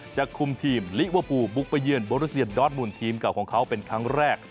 จะคุมทีมลิเวอร์ปูบุกประเยินโบราสเซียดอร์ทมูลทีมเก่าของเขาเป็นครั้งแรก